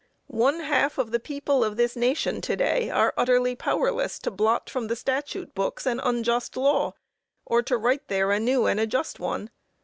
One half of the people of this nation to day are utterly powerless to blot from the statute books an unjust law, or to write there a new and a just one.